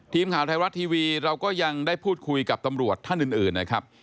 ทีมข่าวไทยรัฐทีวีเราก็ยังได้พูดคุยกับตำรวจท่านอื่นนะครับ